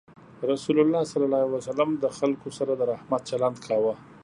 رسول الله صلى الله عليه وسلم د خلکو سره د رحمت چلند کاوه.